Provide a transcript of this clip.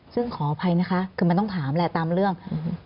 ซึ่งขออภัยนะคะคือมันต้องถามแหละตามเรื่อง